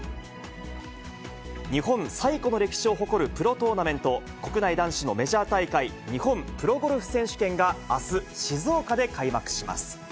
日本最古の歴史を誇るプロトーナメント、国内男子のメジャー大会、日本プロゴルフ選手権が、あす、静岡で開幕します。